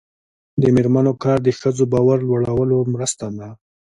د میرمنو کار د ښځو باور لوړولو مرسته ده.